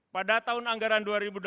pada tahun anggaran dua ribu delapan belas